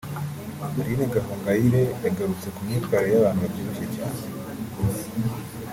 Aline Gahongayire yagarutse ku myitwarire y’abantu babyibushye cyane